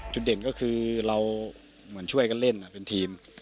จุดเด่นก็คือเราเหมือนช่วยกันเล่นเป็นทีม